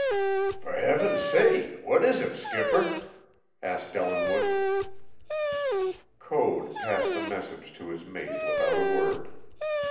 "For Heaven's sake, what is it, skipper?" asked Ellinwood. Code passed the message to his mate without a word.